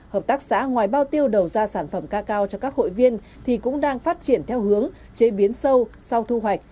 hợp tác xã ngoài bao tiêu đầu ra sản phẩm ca cao cho các hội viên thì cũng đang phát triển theo hướng chế biến sâu sau thu hoạch